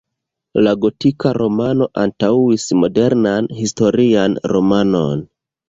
La gotika romano antaŭis modernan historian romanon.